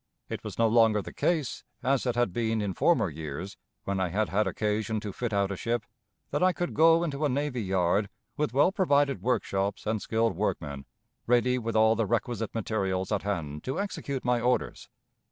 It was no longer the case, as it had been in former years, when I had had occasion to fit out a ship, that I could go into a navy yard, with well provided workshops and skilled workmen, ready with all the requisite materials at hand to execute my orders.